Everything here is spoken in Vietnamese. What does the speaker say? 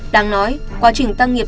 đáng nói quá trình tăng nghiệp